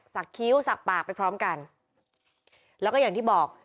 คิ้วสักปากไปพร้อมกันแล้วก็อย่างที่บอก